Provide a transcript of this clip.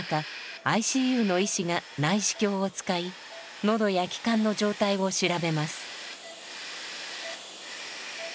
ＩＣＵの医師が内視鏡を使い喉や気管の状態を調べます。